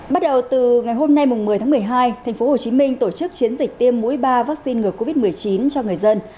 bắt đầu từ ngày hôm nay mùng một mươi tháng một mươi hai thành phố hồ chí minh tổ chức chiến dịch tiêm mũi ba vaccine ngừa covid một mươi chín cho người dân